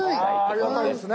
ありがたいですね。